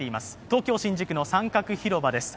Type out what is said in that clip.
東京・新宿の三角広場です。